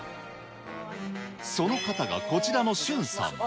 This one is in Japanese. その方がこちらのしゅんさん。